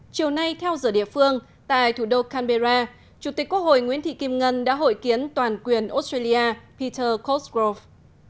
chiều nay theo giờ địa phương tại thủ đô canberra chủ tịch quốc hội nguyễn thị kim ngân đã hội kiến toàn quyền australia peter cosgrov